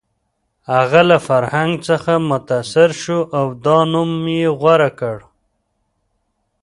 هغه له فرهنګ څخه متاثر شو او دا نوم یې غوره کړ